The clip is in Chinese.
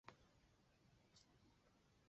卵叶白前是夹竹桃科鹅绒藤属的植物。